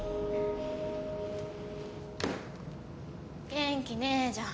元気ねえじゃん。